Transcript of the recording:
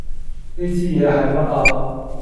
呢支嘢係乜啊？